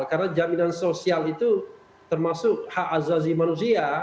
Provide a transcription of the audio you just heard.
karena jaminan sosial itu termasuk hak azazi manusia